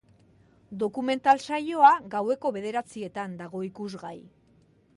Dokumental saioa gaueko bederatzietan dago ikusgai.